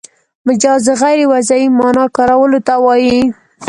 مجاز د غیر وضعي مانا کارولو ته وايي.